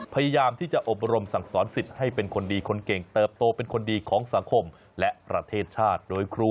พยายามที่จะอบรมสั่งสอนสิทธิ์ให้เป็นคนดีคนเก่งเติบโตเป็นคนดีของสังคมและประเทศชาติโดยครู